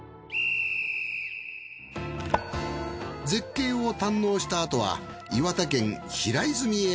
絶景を堪能したあとは岩手県平泉へ。